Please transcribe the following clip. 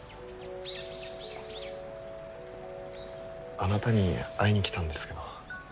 あなたに会いに来たんですけど。